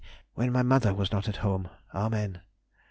When my mother was not at home. Amen.